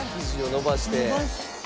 伸ばして。